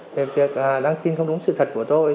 về việc đăng tin không đúng sự thật của tôi